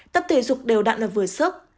tập thể dục đều đặn là vừa sức